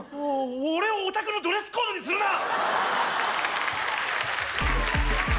俺をオタクのドレスコードにするな！